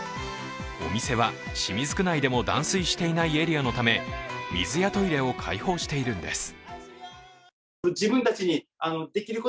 お店は清水区内でも断水していないエリアのため水やトイレを開放しているんです。